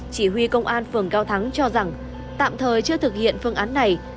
chỉ huy công an phường cao thắng cho rằng tạm thời chưa thực hiện phương án này